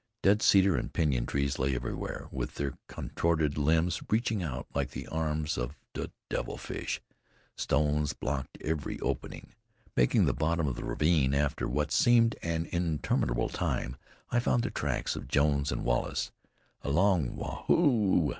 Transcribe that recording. Dead cedar and pinyon trees lay everywhere, with their contorted limbs reaching out like the arms of a devil fish. Stones blocked every opening. Making the bottom of the ravine after what seemed an interminable time, I found the tracks of Jones and Wallace. A long "Waa hoo!"